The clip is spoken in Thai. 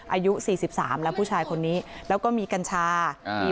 อายุสี่สิบสามแล้วผู้ชายคนนี้แล้วก็มีกัญชาอ่า